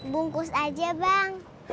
bungkus aja bang